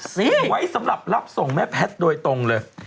ไว้สำหรับรับส่งแม่แพทย์โดยตรงเลย